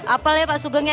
apa lepas sugengnya